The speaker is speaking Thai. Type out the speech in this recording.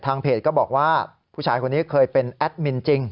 เพจก็บอกว่าผู้ชายคนนี้เคยเป็นแอดมินจริง